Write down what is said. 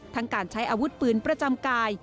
การใช้อาวุธปืนประจำกาย